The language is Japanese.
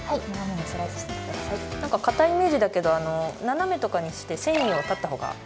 かたいイメージだけど斜めとかにして繊維を断った方が。